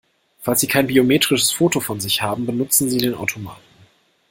Falls Sie kein biometrisches Foto von sich haben, benutzen Sie den Automaten!